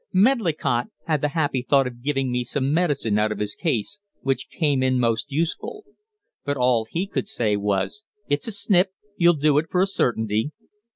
Medlicott had the happy thought of giving me some medicine out of his case, which came in most useful; but all he could say was, "It's a snip, you'll do it for a certainty."